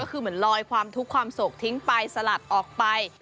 ก็คือเหมือนลอยความทุกข์ความโศกทิ้งไปสลัดออกไป